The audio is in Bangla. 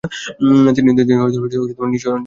তিনি নিজ শহর আখেনে চলে আসেন।